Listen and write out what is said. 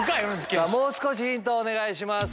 もう少しヒントをお願いします。